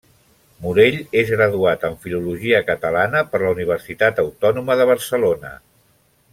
Morell és graduat en Filologia Catalana per la Universitat Autònoma de Barcelona.